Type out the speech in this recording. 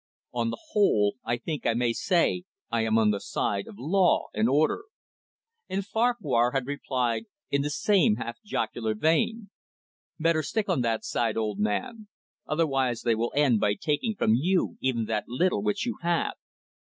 On the whole, I think I may say I am on the side of law and order." And Farquhar had replied in the same half jocular vein. "Better stick on that side, old man. Otherwise they will end by taking from you even that little which you have."